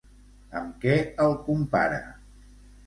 Amb què el compara?